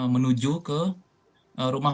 menuju ke rumah